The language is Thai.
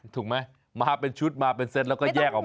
ถูกไหมมาเป็นชุดมาเป็นเซตแล้วก็แยกออกมา